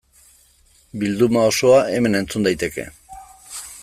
Bilduma osoa hemen entzun daiteke.